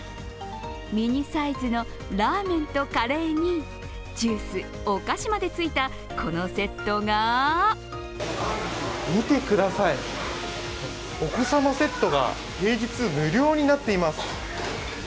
ミニサイズのラーメンとカレーにジュース、お菓子までついた、このセットが見てください、お子様セットが平日無料になっています。